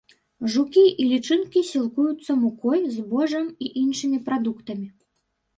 Жукі і лічынкі сілкуюцца мукой, збожжам і іншымі прадуктамі.